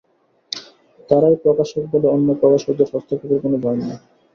তাঁরাই প্রকাশক বলে অন্য প্রকাশকদের হস্তক্ষেপের কোন ভয় নেই।